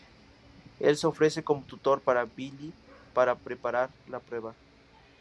Él se ofrece como tutor para Billy para preparar la prueba.